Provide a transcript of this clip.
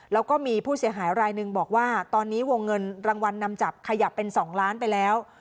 แล้วก็มีผู้เสียหายรายหนึ่งบอกว่าตอนนี้วงเงินรางวัลนำจับขยับเป็น๒ล้านไปแล้ว